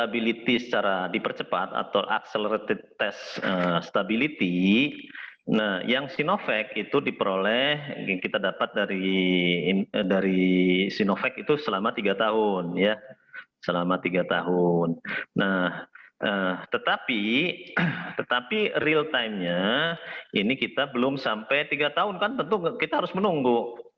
biar tahu kan tentu kita harus menunggu